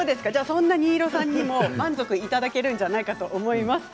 そんな新納さんにも満足いただけるんじゃないかと思います。